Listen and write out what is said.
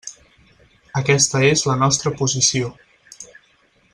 Aquesta és la nostra posició.